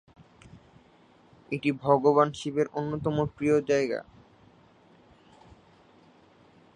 এটি ভগবান শিবের অন্যতম প্রিয় জায়গা।